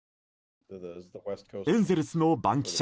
エンゼルスの番記者